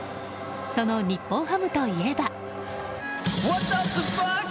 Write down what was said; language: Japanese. その日本ハムといえば。